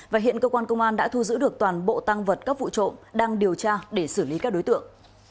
và hiện cơ quan công an đã thu giữ được toàn bộ tăng vật các vụ trộm đang điều tra để xử lý các đối tượng